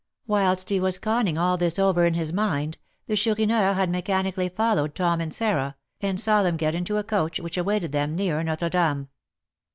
Whilst he was conning all this over in his mind, the Chourineur had mechanically followed Tom and Sarah, and saw them get into a coach which awaited them near Notre Dame.